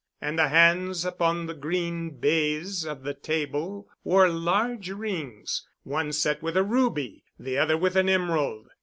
And the hands upon the green baize of the table wore large rings, one set with a ruby, the other with an emerald.